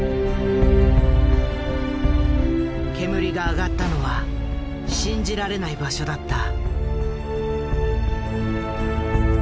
煙が上がったのは信じられない場所だった。